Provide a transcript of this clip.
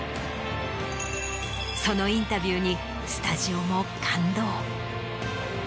そのインタビューにスタジオも感動。